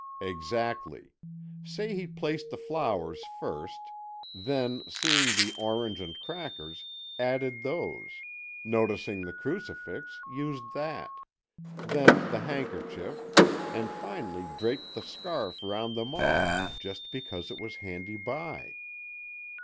"Exactly. Say he placed the flowers first, then, seeing the orange and crackers, added those, then, noticing the crucifix, used that; then the handkerchief, and finally draped the scarf round them all, just because it was handy by."